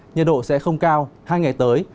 nhiệt độ sẽ không cao hai ngày tới